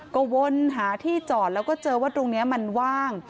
ก็วนหาที่จอดแล้วก็เจอว่าตรงนี้มันว่าง